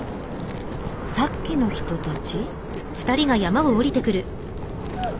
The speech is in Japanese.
さっきの人たち？